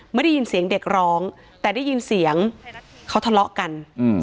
ไม่ได้ยินเสียงเด็กร้องแต่ได้ยินเสียงเขาทะเลาะกัน